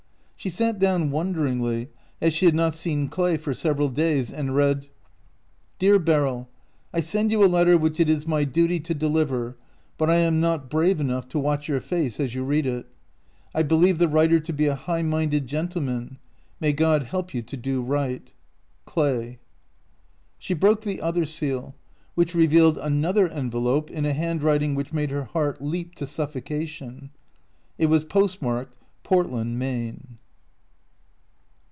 She sat down wonderingly, as she had not seen Clay for several days, and read : 223 OUT OF BOHEMIA Dear Beryl : I "send you a letter which it is my duty to deliver, but I am not brave enough to watch your face as you read it. I believe the writer to be a high minded gentleman. May God help you to do right. Clay. She broke the other seal, which revealed another envelope in a handwriting which made her heart leap to suffocation. It was postmarked Portlapd, Maine.